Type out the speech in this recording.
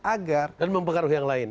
agar dan mempengaruhi yang lain